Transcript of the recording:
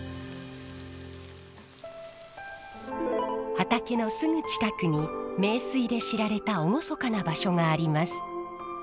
畑のすぐ近くに名水で知られた厳かな場所があります。